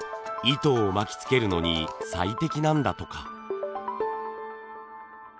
糸を巻きつけるのに最適なんだとか。